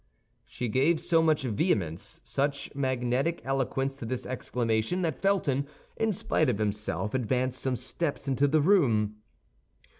She gave so much vehemence, such magnetic eloquence to this exclamation, that Felton in spite of himself advanced some steps into the room.